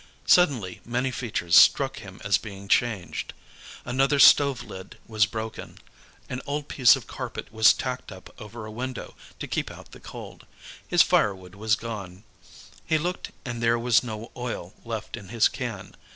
Suddenly many features struck him as being changed. Another stove lid was broken; an old piece of carpet was tacked up over a window to keep out the cold; his fire wood was gone. He looked and there was no oil left in his can.